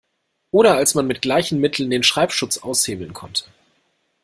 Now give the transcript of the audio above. Oder als man mit gleichen Mitteln den Schreibschutz aushebeln konnte.